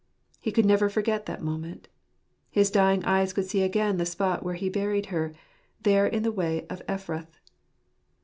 He could never forget that moment. His dying eyes could see again the spot where he buried her, " there in the way of Ephrath."